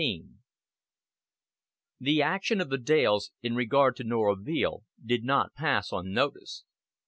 XVII The action of the Dales in regard to Norah Veale did not pass unnoticed.